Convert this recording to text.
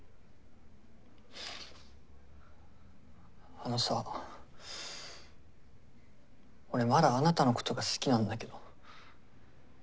あのさ俺まだあなたのことが好きなんだけど。